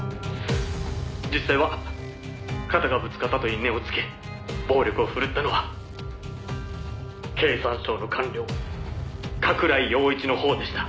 「実際は肩がぶつかったと因縁をつけ暴力を振るったのは経産省の官僚加倉井陽一のほうでした」